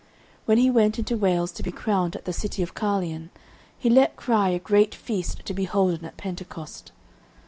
When he went into Wales to be crowned at the city of Carlion, he let cry a great feast to be holden at Pentecost.